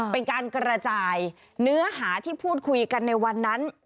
เป็นการกระจายเนื้อหาที่พูดคุยกันในวันนั้น